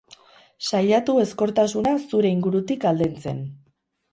Saiatu ezkortasuna zure ingurutik aldentzen.